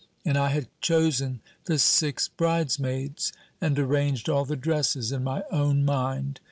and I had chosen the six bridesmaids, and arranged all the dresses in my own mind.